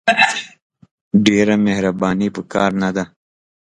ډېره مهرباني په کار نه ده !